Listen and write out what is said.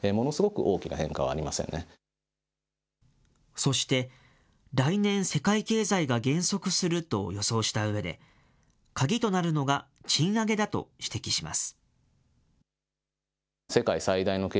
そして、来年、世界経済が減速すると予想したうえで、鍵となるのが賃上げだと指摘します。